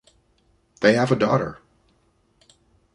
They have a daughter.